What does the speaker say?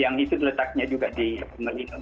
yang itu terletaknya juga di melino